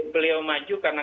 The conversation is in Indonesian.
beliau maju karena